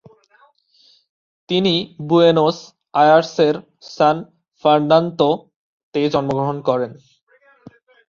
তিনি বুয়েনোস আয়ার্সের সান ফার্নান্দোতে জন্মগ্রহণ করেন।